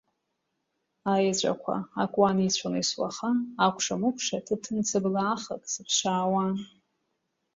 Аеҵәақәа акуан, ицәон есуаха, акәша-мыкәша ҭыҭын цыблаахак сыԥшаауан.